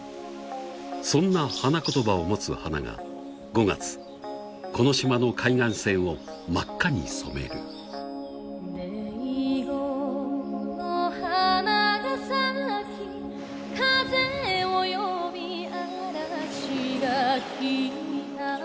そんな花言葉を持つ花が５月この島の海岸線を真っ赤に染める「でいごの花が咲き風を呼び嵐が来た」